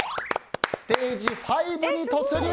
ステージ５に突入！